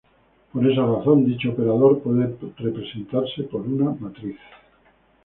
Por esa razón dicho operador puede representarse por una matriz.